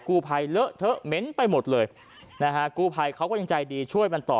กู้ภัยเลอะเทอะเหม็นไปหมดเลยนะฮะกู้ภัยเขาก็ยังใจดีช่วยมันต่อ